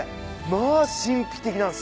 まあ神秘的なんすよ。